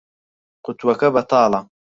قوتووەکە بەتاڵە.